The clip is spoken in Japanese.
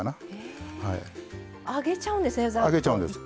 上げちゃうんです。